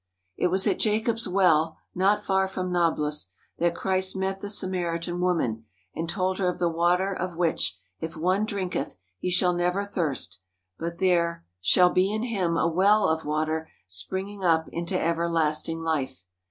It was at Jacob's Well, not far from Nablus, that Christ met the Samaritan woman and told her of the water of which, if one drinketh, he shall never thirst, but there " shall be in him a well of water springing up into ever lasting life."